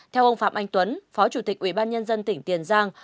theo ông phạm anh tuấn phó chủ tịch ubnd tỉnh tiền giang